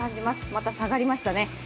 また下がりましたね。